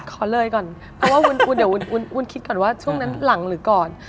ขอเลยก่อนเพราะว่าวุ้นเดี๋ยววุ้นคิดก่อนว่าช่วงนั้นหลังหรือก่อน